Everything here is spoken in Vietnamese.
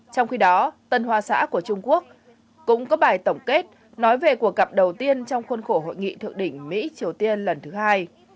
trong khi đó tân hoa xã của trung quốc cũng có bài tổng kết nói về cuộc gặp đầu tiên trong khuôn khổ hội nghị thượng đỉnh mỹ triều tiên lần thứ hai